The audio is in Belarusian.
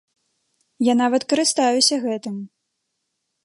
Я нават карыстаюся гэтым!